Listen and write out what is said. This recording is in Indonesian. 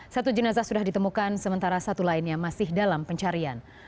satu jenazah sudah ditemukan sementara satu lainnya masih dalam pencarian